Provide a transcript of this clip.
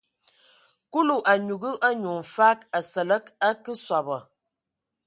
Kulu a nyugu anyu mfag Asǝlǝg a ngakǝ sɔbɔ.